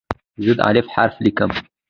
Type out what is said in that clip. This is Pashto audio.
زه د "الف" حرف لیکم.